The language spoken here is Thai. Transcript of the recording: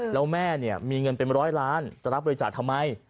แล้วแม่เนี่ยมีเงินเป็นร้อยล้านจะรับบริจาคทำไม